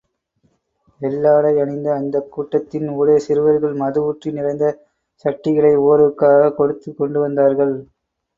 வெள்ளாடையணிந்த அந்தக் கூட்டத்தின் ஊடே சிறுவர்கள், மது ஊற்றி நிறைந்த சடடிகளை ஒவ்வொருவருக்காக கொடுத்துக் கொண்டு வந்தார்கள்.